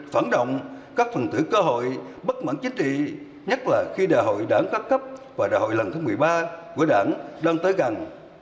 phản động các phần tử cơ hội bất mãn chính trị nhất là khi đại hội đảng các cấp và đại hội lần thứ một mươi ba của đảng đang tới gần